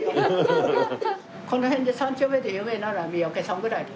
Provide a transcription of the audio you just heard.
この辺で３丁目で有名なのは三宅さんぐらいだ。